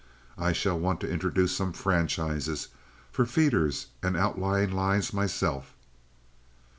I shall want to introduce some franchises for feeders and outlying lines myself."